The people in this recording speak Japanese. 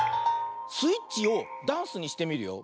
スイッチをダンスにしてみるよ。